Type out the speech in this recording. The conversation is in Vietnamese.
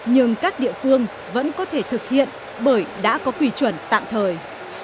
nhưng các địa phương vẫn có thể thực hiện bởi đã có quy chuẩn tạm thời